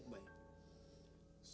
aku sudah selesai